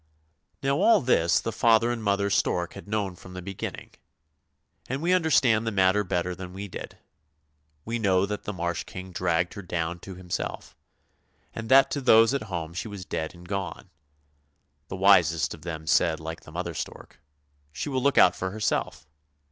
Now all this the father and mother stork had known from the beginning, and we understand the matter better than we did. We know that the Marsh King dragged her down to himself, and that to those at home she was dead and gone. The wisest of them said like the mother stork, " She will look out for herself!